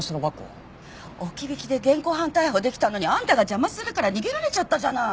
置き引きで現行犯逮捕できたのにあんたが邪魔するから逃げられちゃったじゃない！